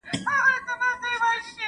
زه د محتسب په غلیمانو کي ښاغلی یم